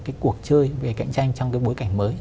cái cuộc chơi về cạnh tranh trong cái bối cảnh mới